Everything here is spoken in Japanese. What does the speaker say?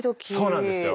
そうなんですよ。